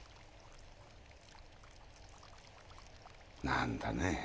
何だね。